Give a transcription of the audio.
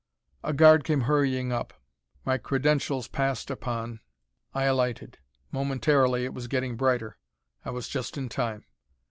A guard came hurrying up. My credentials passed upon, I alighted. Momentarily, it was getting brighter. I was just in time.